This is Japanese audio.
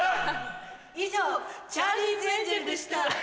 以上『チャーリーズ・エンジェル』でした。